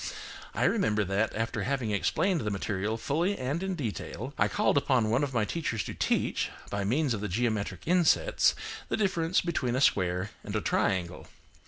I remember that, after having explained the material fully and in detail, I called upon one of my teachers to teach, by means of the geometric insets, the difference between a square and a triangle.